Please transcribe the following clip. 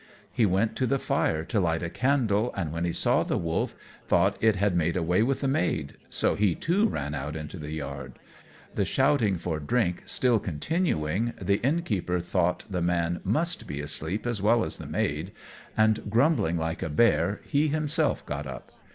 He went to the fire to light a candle, and when he saw the wolf, thought it had made away with the maid, so he too ran out into the yard. The shouting for drink still continuing, the Innkeeper thought the man must be asleep as well as the maid, and, grumbling like a bear, he himself got up.